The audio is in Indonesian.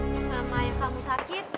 selama ayah kamu sakit